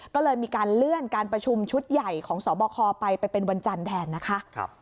ก็เลยมีการเลื่อนการประชุมชุดใหญ่ของสบคไปไปเป็นวันจันทร์แทนนะคะ